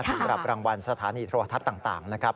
สำหรับรางวัลสถานีโทรทัศน์ต่างนะครับ